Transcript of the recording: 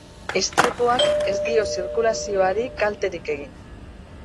Istripuak ez dio zirkulazioari kalterik egin.